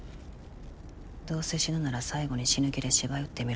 どうせ死ぬなら最後に死ぬ気で芝居打ってみろよ。